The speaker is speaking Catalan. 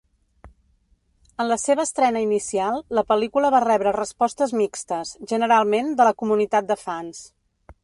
En la seva estrena inicial, la pel·lícula va rebre respostes mixtes, generalment de la comunitat de fans.